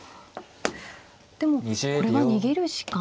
でもこれは逃げるしかないですか。